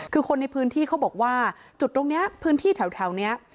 คือคนในพื้นที่เขาบอกว่าจุดตรงนี้พื้นที่แถวนี้